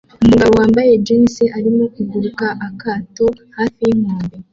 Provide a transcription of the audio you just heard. Umugabo wambaye jean arimo kuguruka akato hafi yinkombe